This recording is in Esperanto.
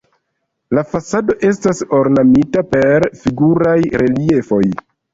La fasado estas ornamita per figuraj reliefoj.